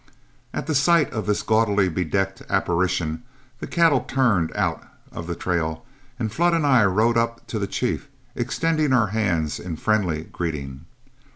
At the sight of this gaudily bedecked apparition, the cattle turned out of the trail, and Flood and I rode up to the chief, extending our hands in friendly greeting.